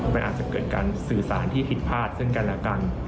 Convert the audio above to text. มันอาจจะเกิดการสื่อสารที่ผิดพลาดซึ่งกันและกัน